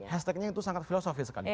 hashtagnya itu sangat filosofis sekali